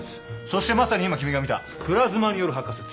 そしてまさに今君が見たプラズマによる発火説。